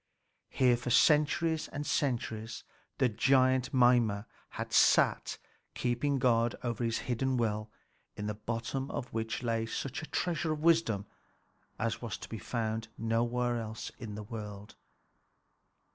Here for centuries and centuries the giant Mimer had sat keeping guard over his hidden well, in the bottom of which lay such a treasure of wisdom as was to be found nowhere else in the world.